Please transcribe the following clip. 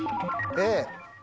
Ａ。